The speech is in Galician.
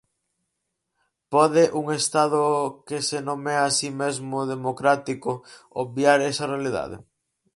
Pode un Estado que se nomea así mesmo democrático obviar esa realidade?